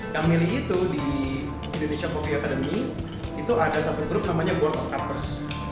yang milih itu di indonesia copy academy itu ada satu grup namanya board of cutters